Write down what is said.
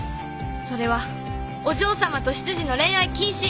それは「お嬢さまと執事の恋愛禁止」